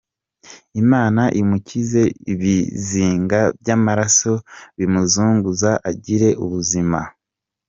Imana imukize ibizinga by’amaraso bimuzunguza agire ubuzima.